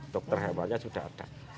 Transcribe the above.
dokter hewalnya sudah ada